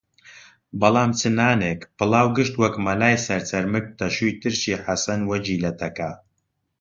بەڵام چ نانێک، پڵاو گشت وەک مەلای سەرچەرمگ تەشوی ترشی حەسەن وەگی لە تەکا